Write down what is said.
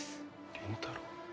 倫太郎。